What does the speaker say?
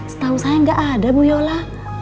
setahu saya nggak ada bu yola